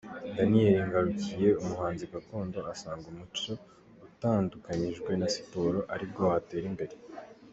Daniyeli Ngarukiye, umuhanzi gakondo, asanga umuco utandukanyijwe na siporo ari bwo watera imbere.